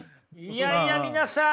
いやいや皆さん